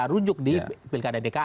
bisa rujuk di pilgada dki